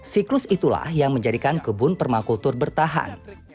siklus itulah yang menjadikan kebun permakultur bertahan